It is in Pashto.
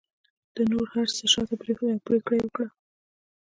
ده نور هر څه شاته پرېښودل او پرېکړه یې وکړه